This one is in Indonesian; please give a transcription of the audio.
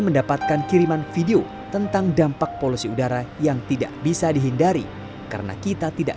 mendapatkan kiriman video tentang dampak polusi udara yang tidak bisa dihindari karena kita tidak